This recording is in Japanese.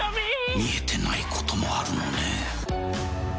見えてないこともあるのね。